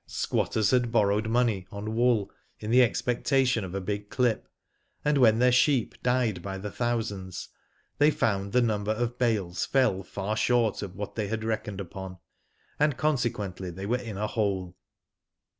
Squatters had borrowed money on wool in the expectation of a big clip, and when their sheep died by thousands, they found the number of bales fell far short of what they had reckoned upon, and consequently they were in a hole.